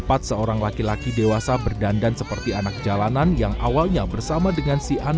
pelaku diketahui perempuan yang masih teman korban